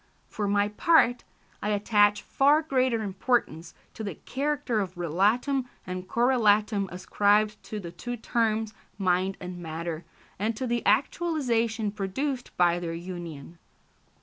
For my part, I attach far greater importance to the character of relatum, and correlatum ascribed to the two terms mind and matter, and to the actualisation produced by their union.